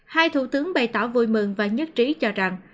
hai thủ tướng bày tỏ vui mừng và nhất trí cho rằng